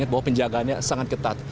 bahwa penjagaannya sangat ketat